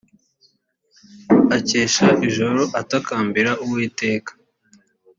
akesha ijoro atakambira uwiteka